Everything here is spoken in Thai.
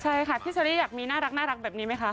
ใช่ค่ะพี่เชอรี่อยากมีน่ารักแบบนี้ไหมคะ